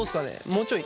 もうちょい？